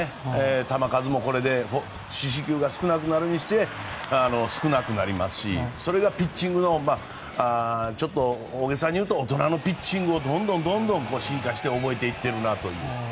球数もこれで四死球が少なくなるにつれ少なくなりますしそれがピッチングのおおげさに言うと大人のピッチングをどんどん進化して覚えていってるなという。